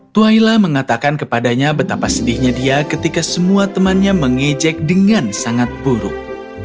tuhaila mengatakan kepadanya betapa sedihnya dia ketika semua temannya mengejek dengan sangat buruk